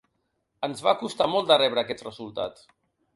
Ens va costar molt de rebre aquests resultats.